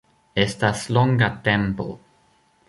Estas longa tempo